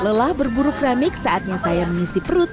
lelah berburu keramik saatnya saya mengisi perut